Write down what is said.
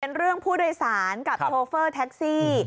เรื่องผู้โดยสารกับโชเฟอร์แท็กซี่